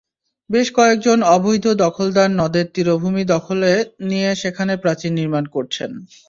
বেশ কয়েকজন অবৈধ দখলদার নদের তীরভূমি দখলে নিয়ে সেখানে প্রাচীর নির্মাণ করছেন।